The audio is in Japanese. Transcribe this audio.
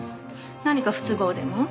何か不都合でも？